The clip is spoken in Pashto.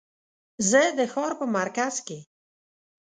زه د ښار په مرکز کې